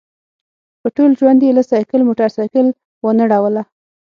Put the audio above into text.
په ټول ژوند یې له سایکل موټرسایکل وانه ړوله.